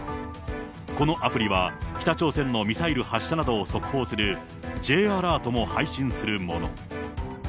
このアプリは北朝鮮のミサイル発射などを速報するＪアラートも配信するもの。